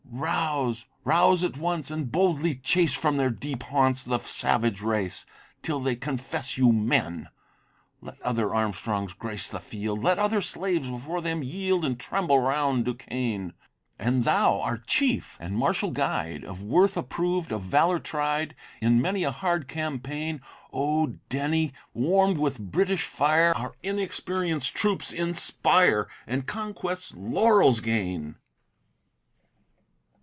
Rouse, rouse at once, and boldly chase From their deep haunts, the savage race, Till they confess you men. Let other Armstrongs grace the field! Let other slaves before them yield, And tremble round Duquesne. And thou, our chief, and martial guide, Of worth approved, of valor tried In many a hard campaign, O Denny, warmed with British fire, Our inexperienced troops inspire, And conquest's laurels gain!